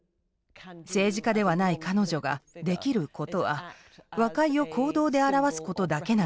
政治家ではない彼女ができることは和解を行動で表すことだけなんです。